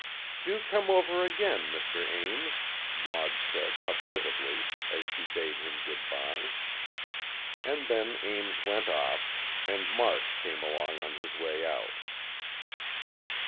"Do come over again, Mr. Ames," Maud said, hospitably, as she bade him good bye. And then Ames went off and March came along on his way out.